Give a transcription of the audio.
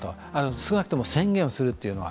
少なくとも宣言をするというのは。